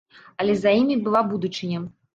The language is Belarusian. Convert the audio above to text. Але за імі была будучыня!